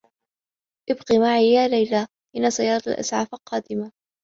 ابقي معي يا ليلى. إنّ سيّارة الإسعاف قادمة.